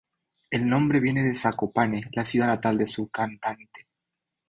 El nombre viene de Zakopane, la ciudad natal de su cantante.